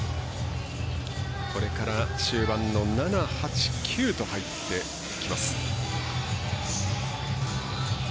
これから終盤の７、８、９と入ってきます。